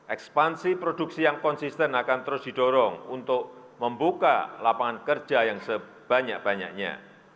ekspansi produksi yang konsisten akan terus didorong untuk membuka lapangan kerja yang sebanyak banyaknya